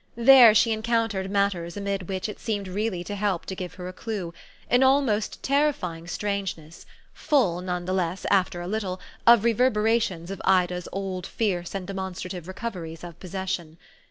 There she encountered matters amid which it seemed really to help to give her a clue an almost terrifying strangeness, full, none the less, after a little, of reverberations of Ida's old fierce and demonstrative recoveries of possession.